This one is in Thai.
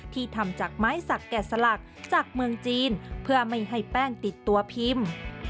ที่ทำจากไม้สักแก่สลักจากเมืองจีนเพื่อไม่ให้แป้งติดตัวพิมพ์